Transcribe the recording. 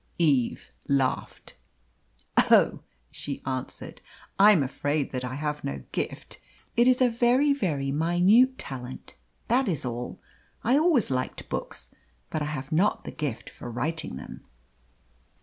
Eve laughed. "Oh!" she answered. "I'm afraid that I have no gift. It is a very, very minute talent. That is all. I always liked books, but I have not the gift for writing them."